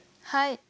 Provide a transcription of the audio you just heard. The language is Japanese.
はい！